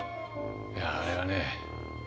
いやあれはね